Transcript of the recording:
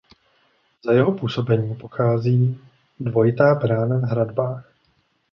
Za jeho působení pochází dvojitá brána v hradbách.